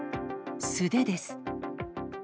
素手です。